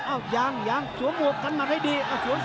อ้าวยังยังสวนศอกกันหมัดให้ดี